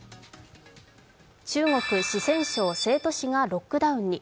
中国・四川省成都市がロックダウンに。